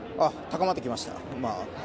高まってきました。